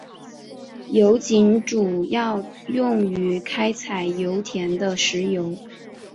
油井主要用于开采油田的石油。